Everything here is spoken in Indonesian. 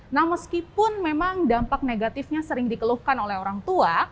nah meskipun memang dampak negatifnya sering dikeluhkan oleh orang tua